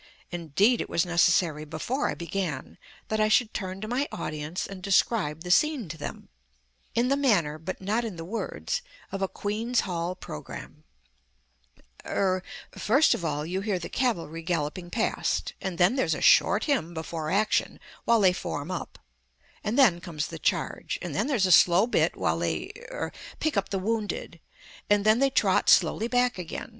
Indeed, it was necessary, before I began, that I should turn to my audience and describe the scene to them in the manner, but not in the words, of a Queen's Hall programme: "Er first of all you hear the cavalry galloping past, and then there's a short hymn before action while they form up, and then comes the charge, and then there's a slow bit while they er pick up the wounded, and then they trot slowly back again.